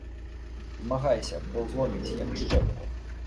Змагайся, бо зломіць, як шчэпку.